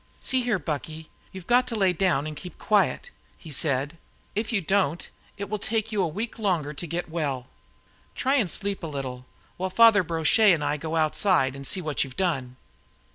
"See here, Bucky, you've got to lie down and keep quiet," he said. "If you don't, it will take you a week longer to get well. Try and sleep a little, while Father Brochet and I go outside and see what you've done."